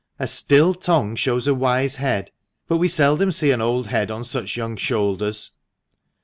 "' A still tongue shows a wise head ;l but we seldom see an old head on such young shoulders."